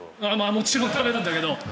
もちろん食べるんだけど。